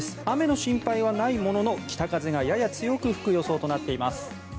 雨の心配はないものの、北風がやや吹く予想となっています。